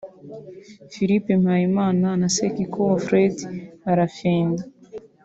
Philippe Mpayimana na Sekikubo Fred Brafinda